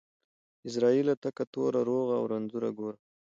عزرائيله تکه توره ، روغ او رنځور گوره.